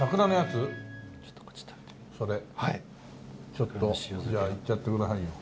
ちょっとじゃあいっちゃってくださいよ。